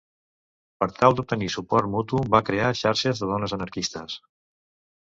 Per tal d'obtenir suport mutu, van crear xarxes de dones anarquistes.